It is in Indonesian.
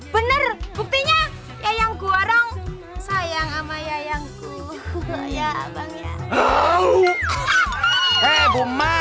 bener buktinya yang goreng sayang sama yayangku ya bang ya